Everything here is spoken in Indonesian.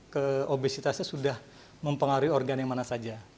ke obesitasnya sudah mempengaruhi organ yang mana saja